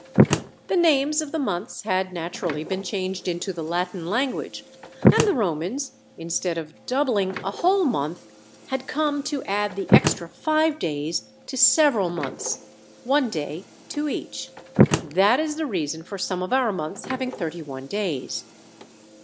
The names of the months had naturally been changed into the Latin language; and the Romans, instead of doubling a whole month, had come to add the extra five days to several months, one day to each. That is the reason for some of our months having thirty one days.